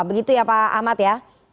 begitu ya pak ahmad ya